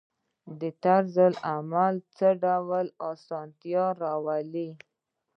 طرزالعمل څه ډول اسانتیا راوړي؟